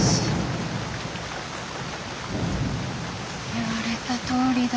言われたとおりだ。